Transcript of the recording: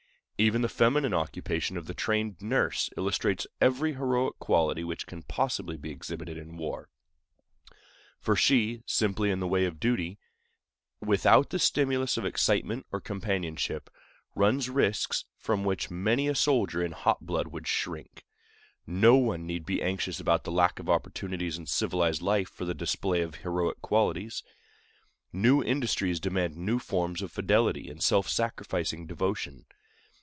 Even the feminine occupation of the trained nurse illustrates every heroic quality which can possibly be exhibited in war; for she, simply in the way of duty, without the stimulus of excitement or companionship, runs risks from which many a soldier in hot blood would shrink. No one need be anxious about the lack of opportunities in civilized life for the display of heroic qualities. New industries demand new forms of fidelity and self sacrificing devotion.